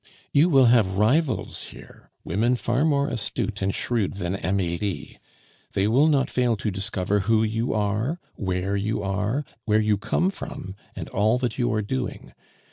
"You will have rivals here, women far more astute and shrewd than Amelie; they will not fail to discover who you are, where you are, where you come from, and all that you are doing.